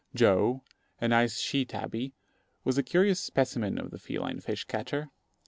Joe, a nice she tabby, was a curious specimen of the feline fish catcher.